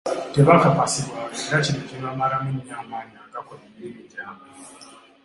Tebakakasibwanga, era kino kibamalamu nnyo amaanyi agakola emirimu jabwe.